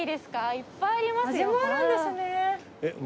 いっぱいありますよ。